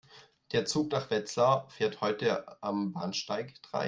Der Zug nach Wetzlar fährt heute am Bahnsteig drei